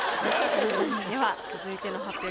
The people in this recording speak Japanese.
では続いての発表に。